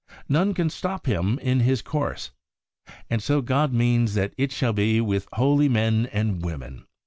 None can stop him in his course ; and so God means that it shall be with holy men and women.